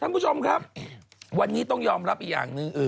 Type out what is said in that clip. คุณผู้ชมครับวันนี้ต้องยอมรับอีกอย่างหนึ่ง